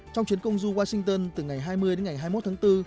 trong chuyến công du washington từ ngày hai mươi đến ngày hai mươi một tháng bốn